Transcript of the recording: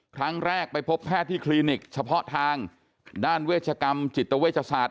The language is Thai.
ครั้งแรกไปพบแพทย์ที่คลินิกเฉพาะทางด้านเวชกรรมจิตเวชศาสต